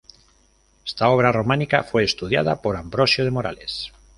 Esta obra románica fue estudiada por Ambrosio de Morales.